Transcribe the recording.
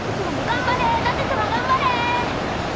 頑張れ、舘様頑張れ！